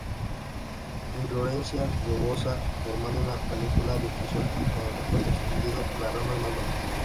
Inflorescencia globosa, formando una panícula difusión con el compuesto, extendiendo las ramas más bajas.